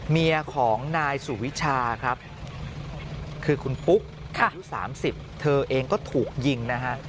เมียของนายสุวิชาครับคือคุณปุ๊กอายุ๓๐เธอเองก็ถูกยิงนะฮะ